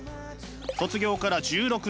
卒業から１６年。